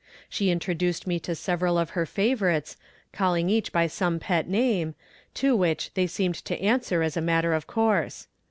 She introduced me to several of her favorites, calling each by some pet name, to which they seemed to answer as a matter of course.